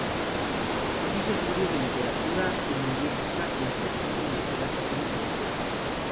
Hizo estudios de literatura y lingüística en la Pontificia Universidad Católica del Perú.